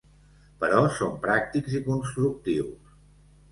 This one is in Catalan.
Però som pràctics i constructius.